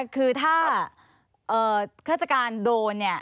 คือถ้าราชกาลโดน